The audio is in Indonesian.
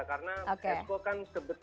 karena exco kan sebenarnya